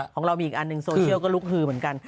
ของเรามีอีกอันหนึ่งโซเชียลก็ลุกฮือเหมือนกัน